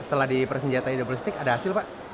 setelah dipersenjatai double stick ada hasil pak